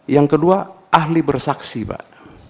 yang kedua ahli bersaksi pak